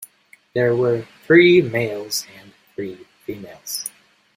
There were three males and three females.